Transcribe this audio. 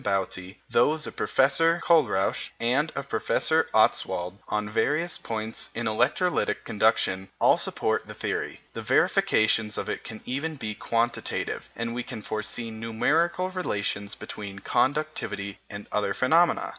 Bouty, those of Professor Kohlrausch and of Professor Ostwald on various points in electrolytic conduction, all support the theory. The verifications of it can even be quantitative, and we can foresee numerical relations between conductivity and other phenomena.